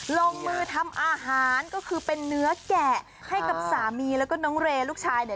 ลงมือทำอาหารก็คือเป็นเนื้อแกะให้กับสามีแล้วก็น้องเรย์ลูกชายเนี่ย